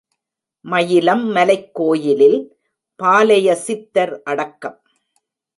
மயிலம் மலைக் கோயிலில் பாலய சித்தர் அடக்கம்.